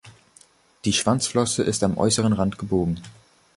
Die Schwanzflosse ist am äußeren Rand gebogen.